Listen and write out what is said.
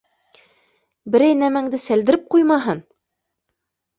Берәй нәмәңде сәлдереп ҡуймаһын!